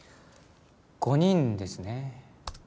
５人ですね。